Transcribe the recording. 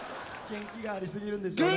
元気がありすぎるんでしょうね。